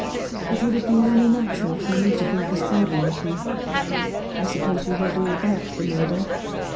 "It would have been only natural for you to think as badly of me. I suppose you read all about the murder